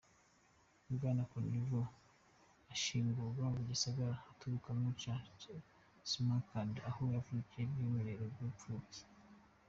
Bwana Karimov ashingurwa mu gisagara aturukamwo ca Samarkand, aho yakuriye mw'irerero ry'impfuvyi.